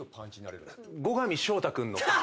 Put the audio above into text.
後上翔太君の。